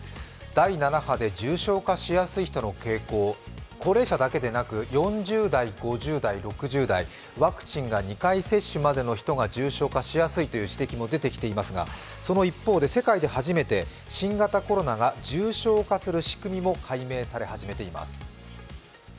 第７波で重症化しやすい傾向、高齢者だけでなく、４０代、５０代、６０代ワクチンが２回接種までの人が重症化しやすいという指摘も出てきていますが、その一方で世界で初めて新型コロナが重症化する仕組みも解明され始めています。